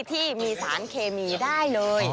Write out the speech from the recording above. ที่มีสารเคมีได้เลย